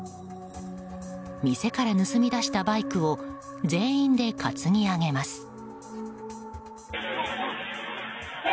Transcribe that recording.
店から盗み出したバイクを全員で担ぎ上げます。